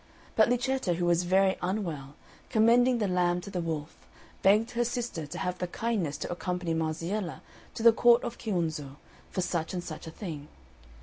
But Luceta, who was very unwell, commending the lamb to the wolf, begged her sister to have the kindness to accompany Marziella to the court of Chiunzo for such and such a thing.